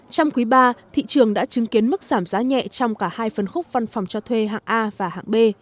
trong quý ba thị trường đã chứng kiến mức giảm giá nhẹ trong cả hai phân khúc văn phòng cho thuê hạng a và hạng b